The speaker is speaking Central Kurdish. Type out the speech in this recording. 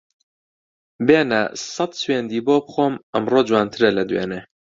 بێنە سەد سوێندی بۆ بخۆم ئەمڕۆ جوانترە لە دوێنێ